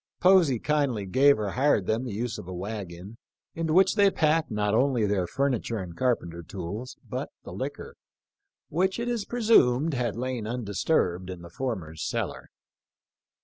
Posey kindly gave or hired them the use of a wagon, into which they packed not only their furniture and carpenter tools, but the liquor, which it is presumed had lain undisturbed in the former's cellar.